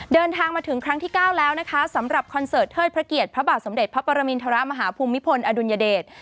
เดินทางมาถึงครั้งที่๙แล้วนะคะสำหรับคอนเสิร์ตเทิดพระเกียรติพระบาทสมเด็จพระปรมินทรมาฮภูมิพลอดุลยเดช